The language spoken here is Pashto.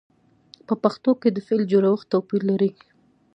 په پښتو کې د فعل جوړښت توپیر لري.